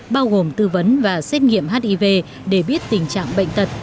bao gồm tư vấn và xét nghiệm hiv để biết tình trạng bệnh tật